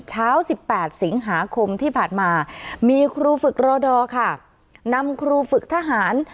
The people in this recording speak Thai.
เช้า๑๘สิงหาคมที่ผ่านมามีครูฝึกรอดอร์ค่ะนำครูฝึกทหาร